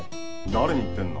誰に言ってるの？